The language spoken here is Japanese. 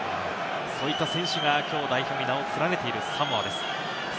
そういった選手が今、代表に名を連ねているサモアです。